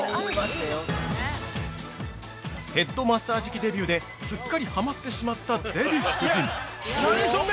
◆ヘッドマッサージ器デビューですっかりハマってしまったデヴィ夫人。